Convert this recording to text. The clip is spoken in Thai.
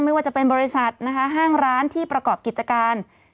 ไม่ว่าจะเป็นบริษัทนะคะห้างร้านที่ประกอบกิจการ